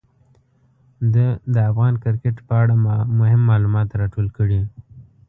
ده د افغان کرکټ په اړه مهم معلومات راټول کړي.